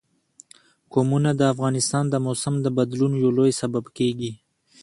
قومونه د افغانستان د موسم د بدلون یو لوی سبب کېږي.